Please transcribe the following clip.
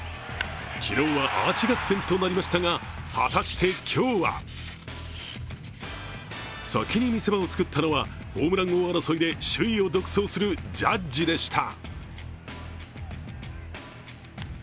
昨日はアーチ合戦となりましたが、果たして今日は先に見せ場を作ったのはホームラン王争いで首位を独走するジャッジでした。